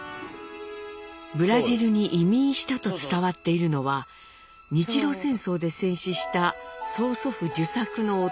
ブラジルに移民したと伝わっているのは日露戦争で戦死した曽祖父壽作の弟